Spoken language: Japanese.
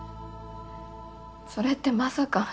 それってまさか。